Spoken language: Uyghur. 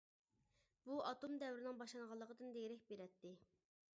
بۇ ئاتوم دەۋرىنىڭ باشلانغانلىقىدىن دېرەك بېرەتتى.